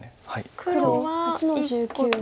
黒８の十九取り。